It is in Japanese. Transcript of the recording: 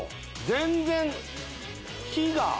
全然火が。